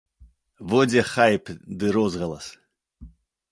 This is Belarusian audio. Во дзе хайп ды розгалас.